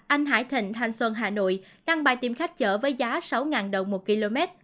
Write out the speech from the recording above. anh hải thịnh thanh xuân hà nội đăng bài tìm khách chở với giá sáu đồng một km